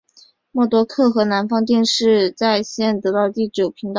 默多克和南方电视有线得到了第九频道。